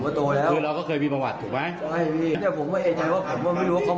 คือเราก็เคยมีประวัติถูกไหม